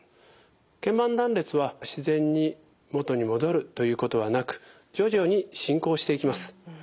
けん板断裂は自然に元に戻るということはなく徐々に進行していきます。